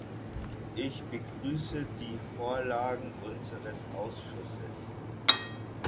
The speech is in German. Ich begrüße die Vorlagen unseres Ausschusses.